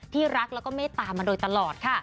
รักแล้วก็เมตตามาโดยตลอดค่ะ